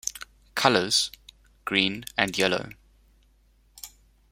Colours: Green and Yellow.